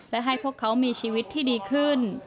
และให้พวกเขามีชีวิตที่ดีขึ้น